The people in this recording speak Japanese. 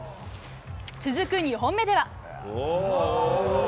続く２本目では。